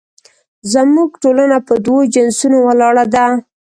زموږ ټولنه په دوو جنسونو ولاړه ده